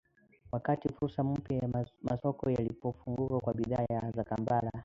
Wakati fursa mpya za masoko zilipofunguka kwa bidhaa za Kampala.